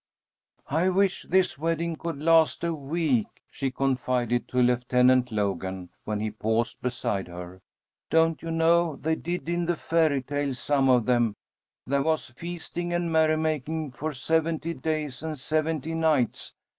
"I wish this wedding could last a week," she confided to Lieutenant Logan, when he paused beside her. "Don't you know, they did in the fairy tales, some of them. There was 'feasting and merrymaking for seventy days and seventy nights.'